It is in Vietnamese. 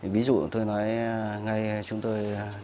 ví dụ tôi nói ngay chúng tôi đi họp ở quốc tế